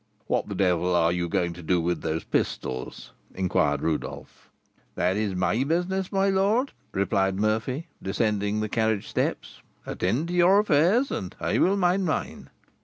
"What the devil are you going to do with those pistols?" inquired Rodolph. "That is my business, my lord," replied Murphy, descending the carriage steps; "attend to your affairs, and I will mind mine."